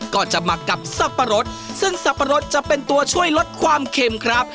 หมักกับสับปะรดซึ่งสับปะรดจะเป็นตัวช่วยลดความเค็มครับ